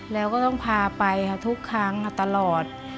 แล้วก็ต้องพาไปค่ะทุกครั้งตลอด